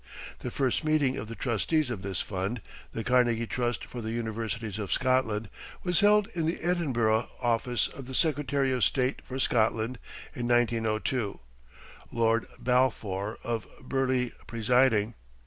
The first meeting of the trustees of this fund (The Carnegie Trust for the Universities of Scotland) was held in the Edinburgh office of the Secretary of State for Scotland in 1902, Lord Balfour of Burleigh presiding.